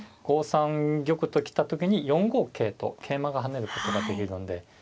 ５三玉と来た時に４五桂と桂馬が跳ねることができるんで。